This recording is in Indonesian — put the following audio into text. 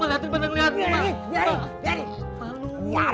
melihat lihat lihat lihat mak